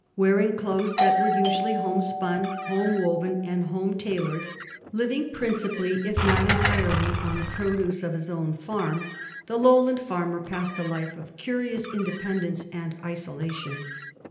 Wearing clothes that were usually home spun, home woven, and home tailored ; living principally, if not entirely, on the produce of his own ferm, the Lowland farmer passed a life of curious independence and isolation.